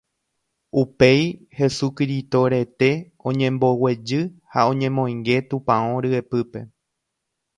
Upéi Hesu Kirito rete oñemboguejy ha oñemoinge tupão ryepýpe